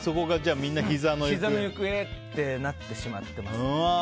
ひざの行方っていうことになってしまっています。